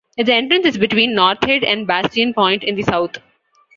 Its entrance is between North Head and Bastion Point in the south.